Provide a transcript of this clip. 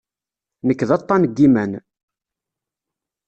Nekk d aṭṭan n yiman.